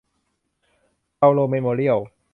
เปาโลเมโมเรียล